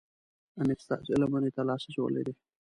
امیر ستاسو لمنې ته لاس اچولی دی.